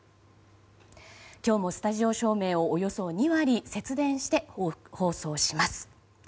今日もスタジオ照明をおよそ２割節電して放送します。